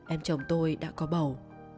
em chồng tôi đã có bầu